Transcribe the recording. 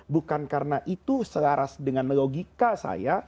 bukan karena itu selaras dengan logika saya